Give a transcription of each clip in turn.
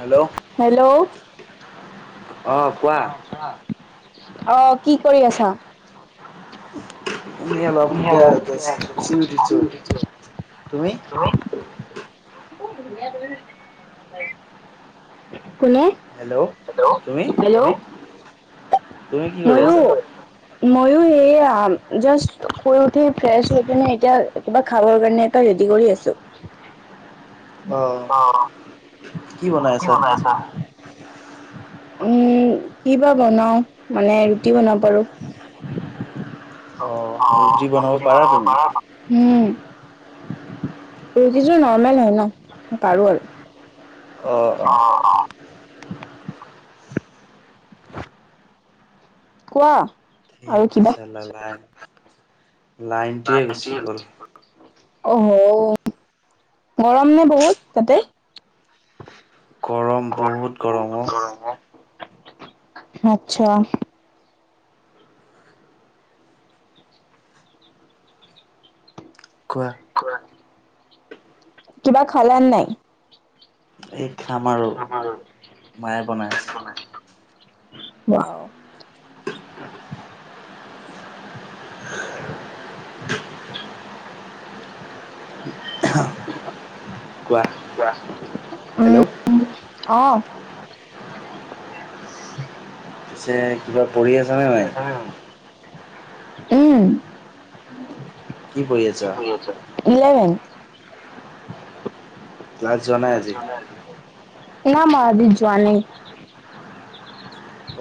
Hello hello. অ' কোৱা। অ' কি কৰি আছা? তুমি অলপ এতিয়া জাষ্ট শুই উঠিছোঁ তুমি [unintelligible] কোনে? হেল্ল' তুমি হেল্ল' তুমি কি কৰি মইও। আছা ময়ো এয়া জাষ্ট শুই উঠি ফ্ৰেছ হৈ কিনে এতিয়া কিবা খাবৰ কাৰণে ৰেডি কৰি আছোঁ। অ', অ অ'। বনাই কি আছা বনাইছা? উম, কি বা বনাও মানে ৰুটি বনাব পাৰো। অ অ' ৰুটি বনাব পাৰা? উম। ৰুটিযোৰ নৰ্মেল হয় ন, পাৰো আৰু। অ। [inaudible] কোৱা আৰু কিবা? লেলাই। গ'ল অহ গৰম নে বহুত তাতে? গৰম বহুত গৰম অ', আচ্ছা। কোৱা? কিবা খালানে নাই? এই খাম আৰু মায়ে বনাই আছে। ৱাও। অহ। কোৱা? হেল্ল' ও' অ'। পিছে কিবা পঢ়ি আছ পঢ়ি আছা হয় নে নহয়? উম। কি পঢ়ি আছা? ইলেভেন। ক্লাছ যোৱা নাই আজি না মই আজি যোৱা নাই।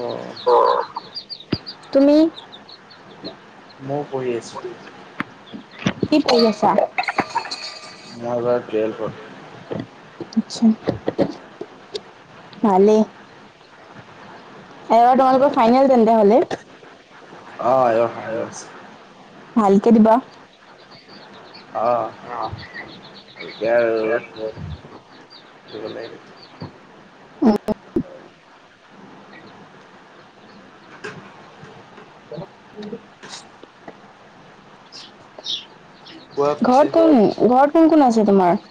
অ চ, তুমি? ময়ো পঢ়ি পঢ়ি আছোঁ, কি পঢ়ি আছা? মই এইবাৰ টুৱেলভত। আচ্ছা ভালেই। এই তোমালোকৰ ফাইনেল তেন্তে হ'লে। অ এইবাৰ ফাইনেল আছে [unintelligible] ভালকে দিবা। অ [unintelligible] গলেই নেকি? [unintelligible] কোৱা পিছে ঘৰত কোন, ঘৰত কোন কোন আছে তোমাৰ?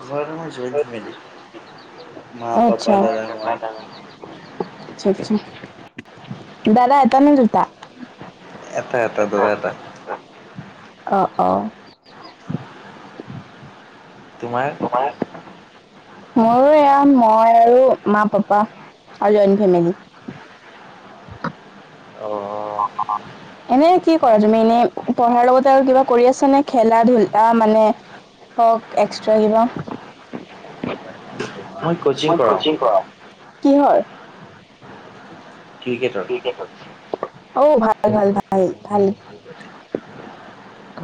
ঘৰত আমাৰ জইণ্ট ফেমেলী, মা, অ' আচ্ছা। পাপা, দাদা আচ্ছা আচ্ছা মই। [unintelligible] দাদা এটা নে দুটা? এটা এটা দাদা এটা। অ', অ'। তোমাৰ? তোমাৰ? মোৰো এয়া মই আৰু মা, পাপা আৰু জইণ্ট ফেমিলি। অ'। [unintelligible] এনে কি কৰা তুমি? এনেই পঢ়াৰ লগতে আৰু কিবা কৰি আছ নে? খেলা ধূলা মানে হওক, এক্সট্ৰা কিবা? মই কচিং কৰাও, কিহৰ? ক্ৰিকেটৰ। ক্ৰিকেটৰ। অও, ভাল ভাল ভাল ভাল,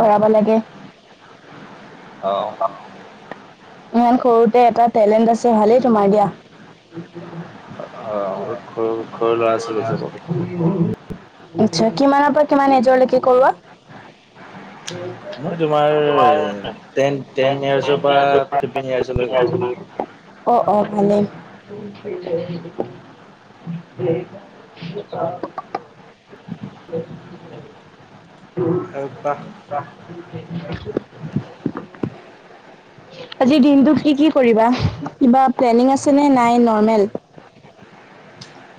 কৰাব লাগে। অ। অ' সৰুতে এটা টেলেণ্ট আছে, ভালেই তোমাৰ দিয়া। অ', [unintelligible] সৰু সৰু ল'ৰা আতছা, ছোৱালী চবক। কিমানৰ পৰা কিমান, এজৰলৈকে কৰোৱা? মই তোমাৰ, টেন-টেন, ইয়াৰ্চৰ পৰা ফিফটিন ইয়াৰ্চলৈ কৰো। অ', অ', ভালেই। [unintelligible] [unintelligible] আৰু কোৱা? [unintelligible] আজিৰ দিনটো কি কি কৰিবা? কিবা প্লেনিং আছে নে, নাই নৰ্মেল।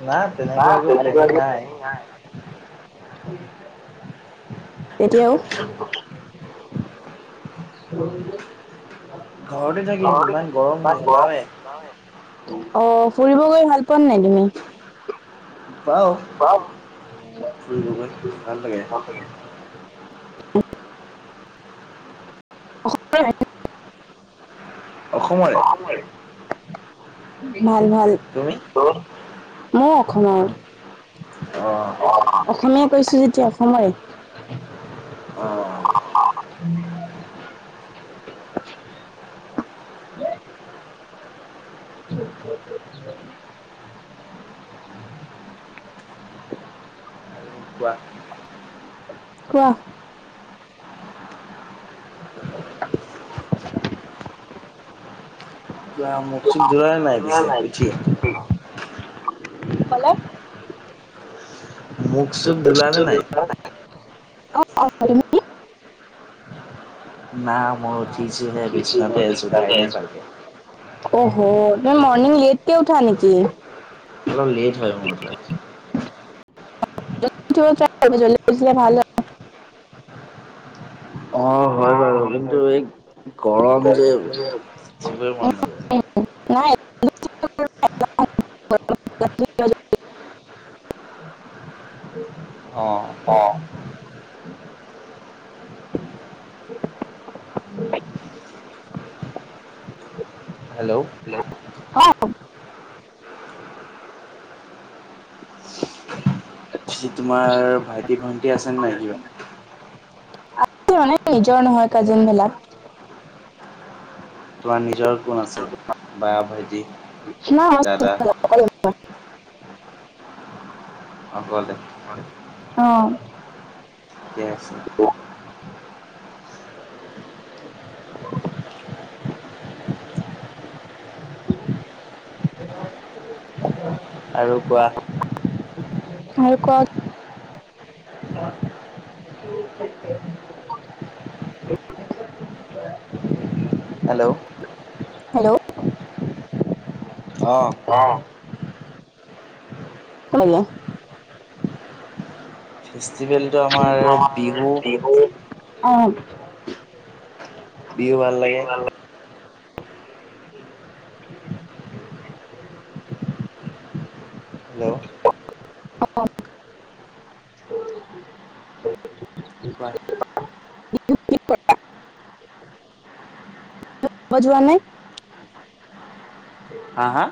নাই, তেনেকুৱা একো প্লেনিং নাই। [unintelligible] এতিয়াও। [unintelligible] অ', ঘৰতে থাকিম ইমান গৰম নোলাওৱে। ফুৰিব গৈ ভাল পোৱা নাই তুমি? যাওঁ ফুৰিব গৈ ভাল লাগে। [unintelligible] [unintelligible] [unintelligible] অসমৰে। ভাল-ভাল। তুমি। মইও অসমৰ। অ'। অসমীয়া, কৈছোঁ যেতিয়া অসমৰে। অ'। [unintelligible] আৰু কোৱা কোৱা। [unintelligible] কিবা মুখ চুখ ধুলানে নাই পিছে [unintelligible] উঠি কি কলে? মুখ চুখ ধুলানে নাই? [unintelligible] না উঠিছোহে, বিচনাতে আছো, উঠাই নাই ভালকে। অহ', তুমি মানে লেটকে উঠা নেকি? অলপ লেট হয়, মোৰ উঠা। [unintelligible] অ', হয় বাৰু। কিন্তু এই গৰম যে, উঠিবই মন নযায়। নাই [unintelligible] অ'। অ'। হেল্ল'। হেল্ল' অ'। [unintelligible] পিছে তোমাৰ ভাইটি ভণ্টি আছেনে নাই, কিবা? [unintelligible] নিজৰ নহয় কাজেন বিলা। তোমাৰ নিজৰ কোন আছে বা ভাইটি না দাদা অকলে ম [unintelligible] অ' ঠিকে আছে। [unintelligible] আৰু কোৱা? আৰু কোৱা? উ [unintelligible] হেল্ল' হেল্ল' অ' অঁ হেল্ল ' ফেষ্টিভেলটো আমাৰ বিহু। অ বিহু ভাল লাগে [unintelligible] [unintelligible] হেল্ল' কোৱা বজোৱা নাই। হয়। হা হা।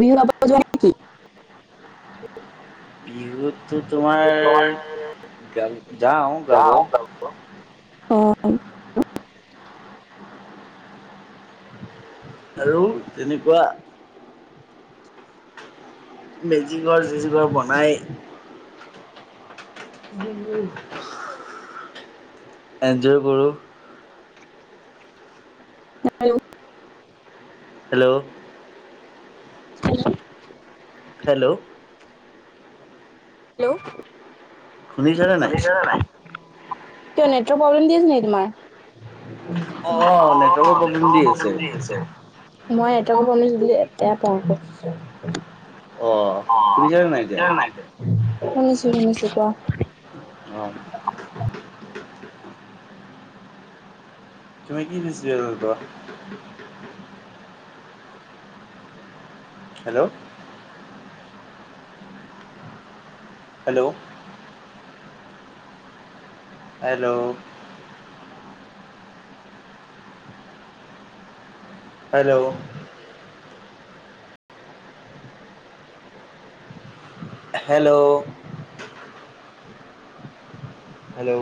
বিহু গাব যোৱা নাই নেকি? বিহুত টো তোমাৰ গা যাওঁ গাব। অ' হেল্লো তেনেকুৱা। মেজিগৰ চেজি ঘৰ বনাই। [unintelligible] এনজয় কৰোঁ। হেল্ল' [unintelligible] হেল্ল' হেল্ল' শুনিছানে নাই, কিয় নেটৱৰ্ক প্ৰব্লেম দি আছে নি তোমাৰ? অ' অ' নেটৱৰ্কৰ প্ৰব্লেম দি আছে। মই নেটৱৰ্কৰ প্ৰব্লেম দিলে বেয়া পাওঁ আক। অঁ শুনিছানে নাই এতিয়া শুনিছোঁ শুনিছোঁ কোৱা। আহ' তুমি কি ভেজিটেবুল ভাল পোৱা? Hello hello hello hello hello hello